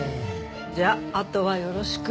じゃああとはよろしく。